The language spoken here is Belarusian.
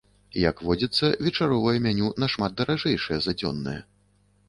Як водзіцца, вечаровае меню нашмат даражэйшае за дзённае.